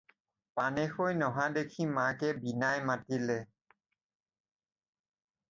পানেশৈ নহা দেখি মাকে বিনাই মাতিলে।